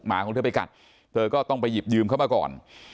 หของเธอไปกัดเธอก็ต้องไปหยิบยืมเขามาก่อน